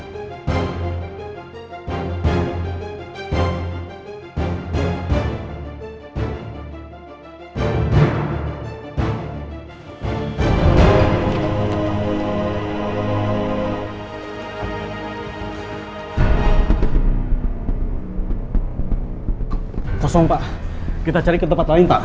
terserang pak kita cari kedepan lain pak